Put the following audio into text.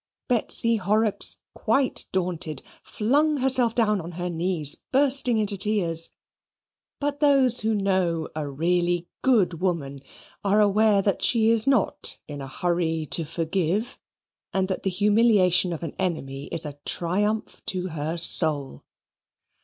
Betsy Horrocks, quite daunted, flung herself down on her knees, bursting into tears. But those who know a really good woman are aware that she is not in a hurry to forgive, and that the humiliation of an enemy is a triumph to her soul.